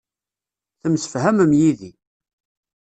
Temsefhamem yid-i.